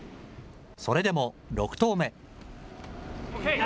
それでも６投目。